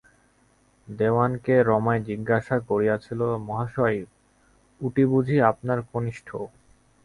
দেওয়ানকে রমাই জিজ্ঞাসা করিয়াছিল, মহাশয়, উটি বুঝি আপনার কনিষ্ঠ?